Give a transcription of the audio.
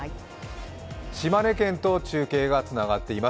島根県と中継がつながっています。